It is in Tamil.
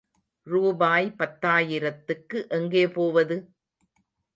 ரூபாய் பத்தாயிரத்துக்கு எங்கே போவது?